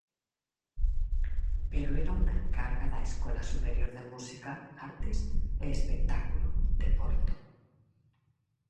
Pero era unha encarga da Escola Superior de Música, Artes e Espectáculo de Porto.